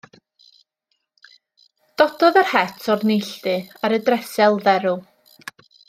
Dododd yr het o'r neilltu ar y dresel dderw.